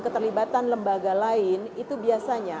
keterlibatan lembaga lain itu biasanya